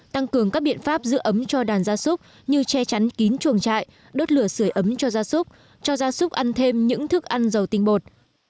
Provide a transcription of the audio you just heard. tăng cường các biện pháp giữ ấm cho đàn gia súc như che chắn kín chuồng trại đốt lửa sửa ấm cho gia súc cho gia súc ăn thêm những thức ăn giàu tinh bột